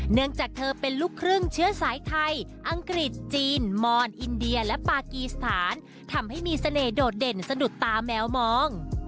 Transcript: เนื่องจากเธอเป็นลูกครึ่งเชื้อสายไทยอังกฤษจีนมอนอินเดียและปากีสถานทำให้มีเสน่หดเด่นสะดุดตาแมวมอง